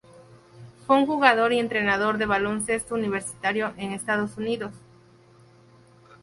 Fue un jugador y entrenador de baloncesto universitario en Estados Unidos.